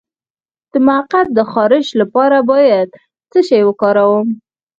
د مقعد د خارښ لپاره باید څه شی وکاروم؟